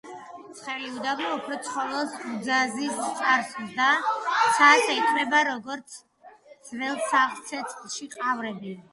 ცხელი უდაბნო უფრო ცხოველს უძაზის წარსულს და ცას ეწვება როგორც ძველ სახლს ცეცხლში ყავრები